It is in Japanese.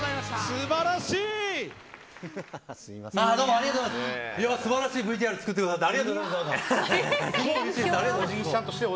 素晴らしいＶＴＲを作ってくださって。